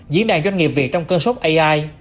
diễn đàn doanh nghiệp việt trong cơn sóc ai